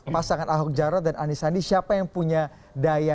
pasangan ahok jarod dan anis andi siapa yang punya daya